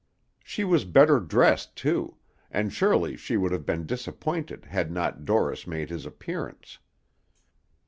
She was better dressed, too; and surely she would have been disappointed had not Dorris made his appearance.